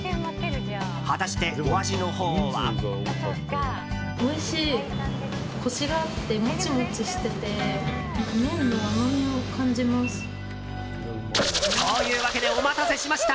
果たして、お味のほうは。というわけでお待たせしました。